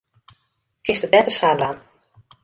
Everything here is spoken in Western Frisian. Kinst it better sa dwaan.